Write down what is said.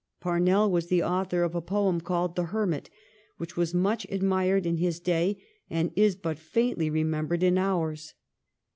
Parnell was the author of a poem called ' The Hermit,' which was much admired in his day and is but faintly remembered in ours.